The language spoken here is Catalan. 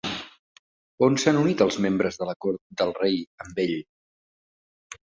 On s'han unit els membres de la cort del rei amb ell?